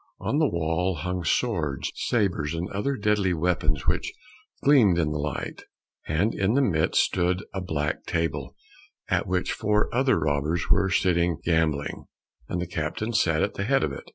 On the wall hung swords, sabres, and other deadly weapons which gleamed in the light, and in the midst stood a black table at which four other robbers were sitting gambling, and the captain sat at the head of it.